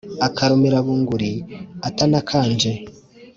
akarumira bunguri atanakanje